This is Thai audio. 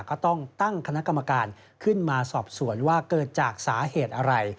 ก็ต้องตั้งคณะกรรมการขึ้นมาสอบสวนว่าเกิดจากสาเหตุอะไร